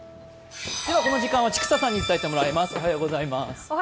この時間は千種さんに伝えてもらいます。